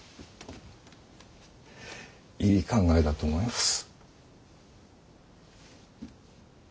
いい考えだと思います。